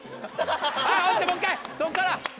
もう一回そっから。